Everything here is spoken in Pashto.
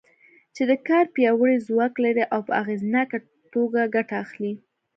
چې د کار پیاوړی ځواک لري او په اغېزناکه توګه ګټه اخلي.